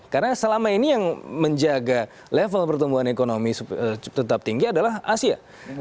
karena selama ini yang menjaga level pertumbuhan ekonomi tetap tinggi adalah asia